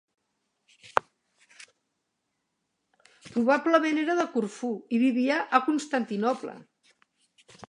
Probablement era de Corfú i vivia a Constantinoble.